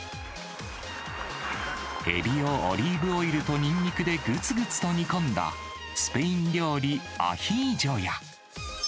エビをオリーブオイルとニンニクでぐつぐつと煮込んだスペイン料理、アヒージョや。